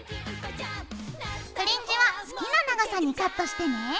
フリンジは好きな長さにカットしてね。